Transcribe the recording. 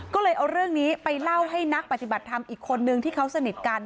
ก็เลยเอาเรื่องนี้ไปเล่าให้นักปฏิบัติธรรมอีกคนนึงที่เขาสนิทกัน